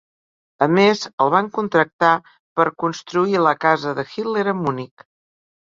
A més, el van contractar per construir la casa de Hitler a Munic.